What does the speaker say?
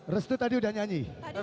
restu tadi udah nyanyi